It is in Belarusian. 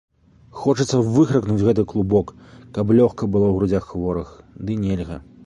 Хочацца выхаркнуць гэты клубок, каб лёгка было ў грудзях хворых, ды нельга.